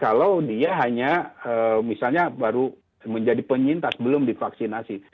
kalau dia hanya misalnya baru menjadi penyintas belum divaksinasi